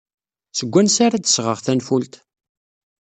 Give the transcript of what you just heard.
Seg wansi ara d-sɣeɣ tanfult?